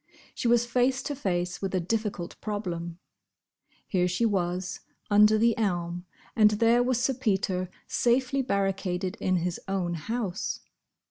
She was face to face with a difficult problem. Here she was, under the elm, and there was Sir Peter, safely barricaded in his own house.